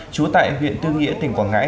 trú tại huyện tư nghĩa tỉnh quảng ngãi